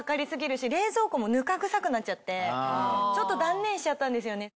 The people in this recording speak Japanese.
ちょっと断念しちゃったんですよね。